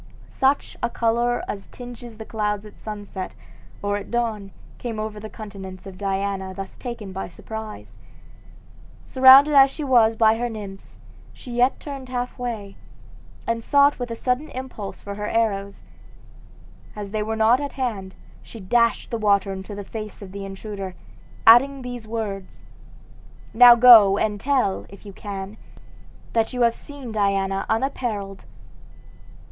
Such a color as tinges the clouds at sunset or at dawn came over the countenance of Diana thus taken by surprise. Surrounded as she was by her nymphs, she yet turned half away, and sought with a sudden impulse for her arrows. As they were not at hand, she dashed the water into the face of the intruder, adding these words: "Now go and tell, if you can, that you have seen Diana unapparelled."